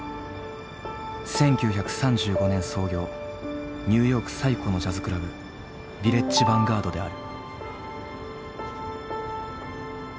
１９３５年創業ニューヨーク最古のジャズクラブヴィレッジ・ヴァンガードである。